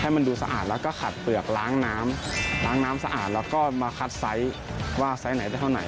มันดูสะอาดแล้วก็ขัดเปลือกล้างน้ำล้างน้ำสะอาดแล้วก็มาคัดไซส์ว่าไซส์ไหนได้เท่าไหน